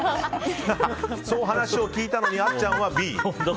そう話を聞いたのにあっちゃんはＢ。